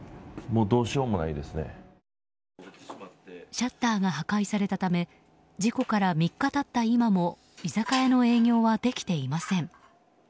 シャッターが破壊されたため事故から３日経った今も居酒屋の営業はできていません。